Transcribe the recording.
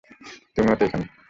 তুমিও তো এখানে।